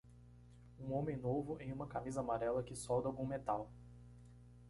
Um homem novo em uma camisa amarela que solda algum metal.